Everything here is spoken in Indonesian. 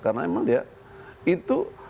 karena memang dia itu